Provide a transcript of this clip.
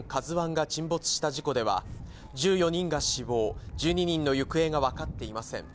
ＫＡＺＵＩが沈没した事故では、１４人が死亡、１２人の行方が分かっていません。